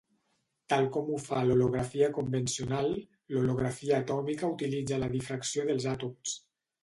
Tal com ho fa l'holografia convencional, l'holografia atòmica utilitza la difracció dels àtoms.